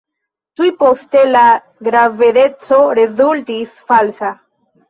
Tuj poste, la gravedeco rezultis falsa.